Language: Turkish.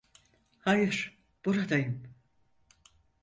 Hayır, buradayım.